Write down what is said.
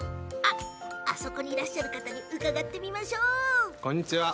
あそこにいらっしゃる方に聞いてみましょうか。